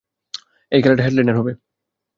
এই খেলাটা হেডলাইনার হবে।